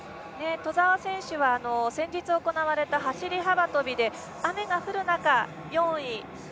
兎澤選手は先日行われた走り幅跳びで雨が降る中、４位。